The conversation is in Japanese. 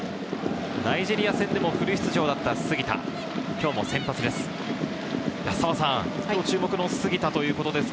ナイジェリア戦でもフル出場だった杉田、今日も先発です。